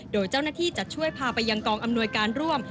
โดยเจ้าหน้าที่จะช่วยพาไปยังกองอำนวยการร่วม